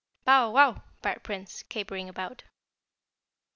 "Bow wow!" barked Prince, capering about.